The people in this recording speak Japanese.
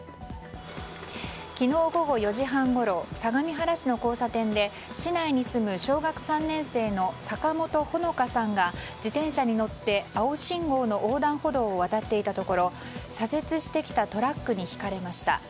昨日午後４時半ごろ相模原市の交差点で市内に住む小学３年生の坂本穂香さんが自転車に乗って青信号の横断歩道を渡っていたところ左折してきたトラックにひかれました。